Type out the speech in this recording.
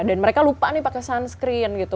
dan mereka lupa nih pakai sunscreen gitu